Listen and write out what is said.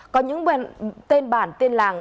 có những tên bản tên làng